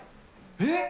えっ？